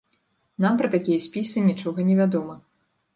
Нам пра такія спісы нічога невядома.